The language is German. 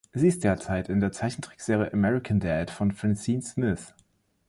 Sie ist derzeit in der Zeichentrickserie American Dad von Francine Smith!